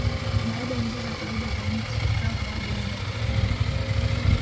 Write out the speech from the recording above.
Baada ya njia za kawaida za nchi kavu hadi India kufungwa